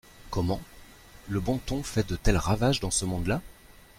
Comment ! le bon ton fait de tels ravages dans ce monde-là ?